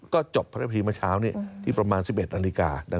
ก็จบพระพีเมื่อเช้านี้ที่ประมาณ๑๑นาฬิกา